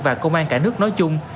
và công an cả nước nói chung